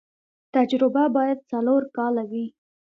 تجربه باید څلور کاله وي.